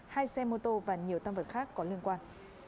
hai xe mô tô và nhiều tam vật khác có liên quan